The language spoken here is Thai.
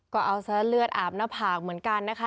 ก็เอาซะเลือดอาบหน้าผากเหมือนกันนะคะ